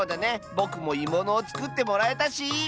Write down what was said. ぼくもいものをつくってもらえたし！